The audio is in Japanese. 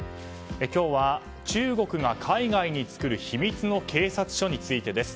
今日は中国が海外に作る秘密の警察署についてです。